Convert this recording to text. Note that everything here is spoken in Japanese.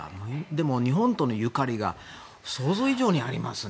でも、日本とのゆかりが想像以上にありますね。